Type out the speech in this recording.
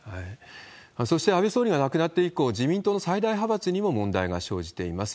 そして安倍総理が亡くなって以降、自民党の最大派閥にも問題が生じています。